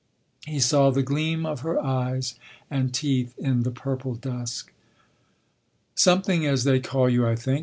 He saw the gleam of her eyes and teeth in the purple dusk. "Something as they call you, I think.